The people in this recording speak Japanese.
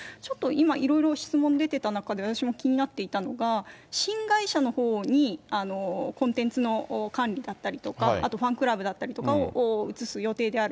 今、いろいろ質問出てた中で、私も気になっていたのが、新会社のほうにコンテンツの管理だったりとか、あとファンクラブだったりとかを移す予定である。